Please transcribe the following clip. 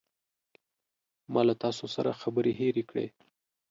ما له تاسو سره خبرې هیرې کړې.